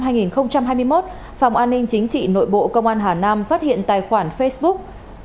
phòng an ninh chính trị nội bộ công an hà nam phát hiện tài khoản facebook